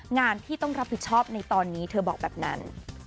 งานที่ต้องรับผิดชอบในตอนนี้เธอบอกแบบนั้น